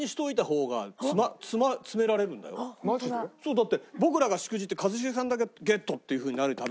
だって僕らがしくじって一茂さんだけゲットっていうふうになるためには。